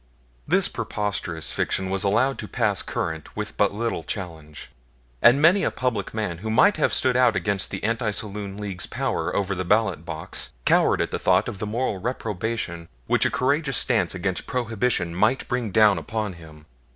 This preposterous fiction was allowed to pass current with but little challenge; and many a public man who might have stood out against the Anti Saloon League's power over the ballot box cowered at the thought of the moral reprobation which a courageous stand against Prohibition might bring down upon him.